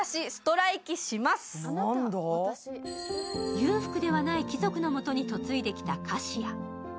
裕福ではない貴族の元に嫁いできたカシア。